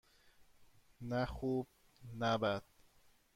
نه خوب - نه بد.